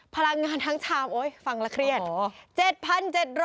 พลังงานทั้งชามโอ๊ยฟังแล้วเครียด